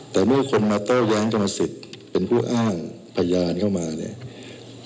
แต่เมื่อคนมาโต้แย้งกรรมสิทธิ์เป็นผู้อ้างพยานเข้ามาเนี่ย